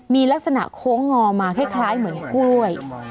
มีลักษณะโค้งงอมาคล้ายเหมือนกล้วย